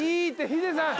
ヒデさん。